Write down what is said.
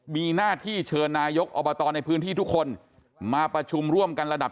มีหน้าที่เชิญนายกอบตในพื้นที่ทุกคนมาประชุมร่วมกันระดับ